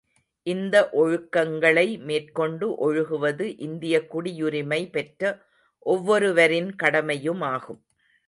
இந்த ஒழுக்கங்களை மேற்கொண்டு ஒழுகுவது இந்தியக் குடியுரிமை பெற்ற ஒவ்வொருவரின் கடமையுமாகும்.